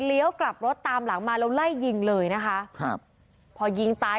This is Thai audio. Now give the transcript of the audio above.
กลับรถตามหลังมาแล้วไล่ยิงเลยนะคะครับพอยิงตาย